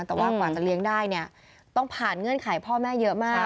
แต่ว่ากว่าจะเลี้ยงได้เนี่ยต้องผ่านเงื่อนไขพ่อแม่เยอะมาก